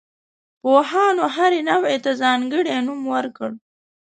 پوهانو هرې نوعې ته ځانګړی نوم ورکړ.